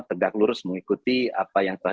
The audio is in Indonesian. tegak lurus mengikuti apa yang telah